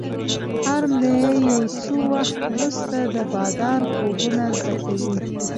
هر مریی یو څه وخت وروسته د بادار خویونه زده کوي.